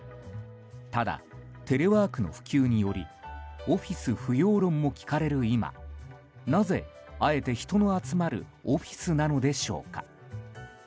ただ、テレワークの普及によりオフィス不要論も聞かれる今なぜ、あえて人の集まるオフィスなのでしょうか。